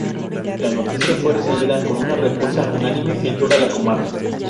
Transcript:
La noticia fue recibida con una repulsa unánime en toda la comarca.